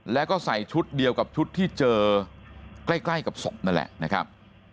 แล้วก็ใส่ชุดเดียวกับชุดที่เจอใกล้กับศพนั่นแหละนะครับ